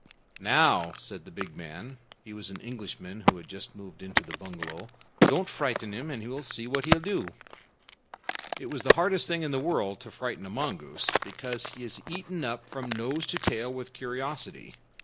"Now," said the big man (he was an Englishman who had just moved into the bungalow), "don't frighten him, and we'll see what he'll do." It is the hardest thing in the world to frighten a mongoose, because he is eaten up from nose to tail with curiosity.